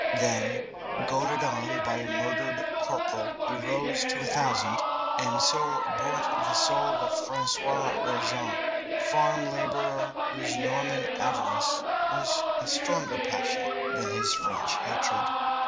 Then, goaded on by a murdered corporal, he rose to a thousand, and so bought the soul of Francois Rejane, farm labourer, whose Norman avarice was a stronger passion than his French hatred.